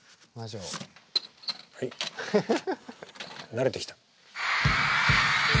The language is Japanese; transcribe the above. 慣れてきた。